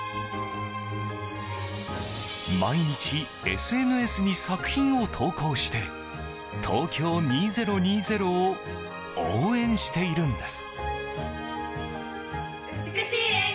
毎日ＳＮＳに作品を投稿して東京２０２０を応援しているんです。